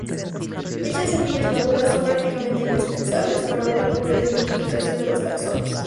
Dichas semillas maduras son prácticamente indispensables para una correcta identificación de los taxones.